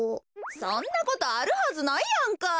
そんなことあるはずないやんか。